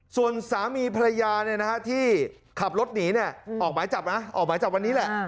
ส่วนสามีภรรยาที่ขับรถหนีออกหมายจับวันนี้แหละ